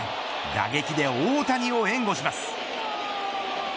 打撃で大谷を援護します。